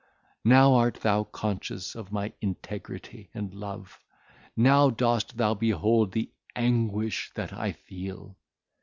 now art thou conscious of my integrity and love; now dost thou behold the anguish that I feel.